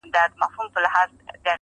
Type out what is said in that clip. خو په بل جهان کی ستر قوي پوځونه-